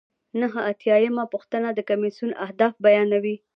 نهه اتیا یمه پوښتنه د کمیسیون اهداف بیانوي.